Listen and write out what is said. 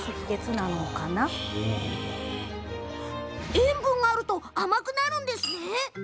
塩分があると甘くなるんですね。